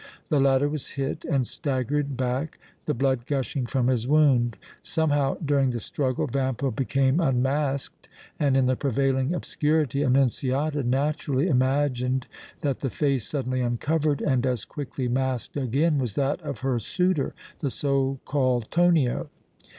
The latter was hit and staggered back, the blood gushing from his wound. Somehow during the struggle Vampa became unmasked and, in the prevailing obscurity, Annunziata naturally imagined that the face suddenly uncovered and as quickly masked again was that of her suitor, the so called Tonio.